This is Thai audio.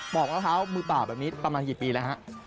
อกมะพร้าวมือเปล่าแบบนี้ประมาณกี่ปีแล้วฮะ